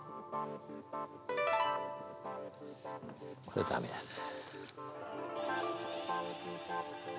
これダメだな。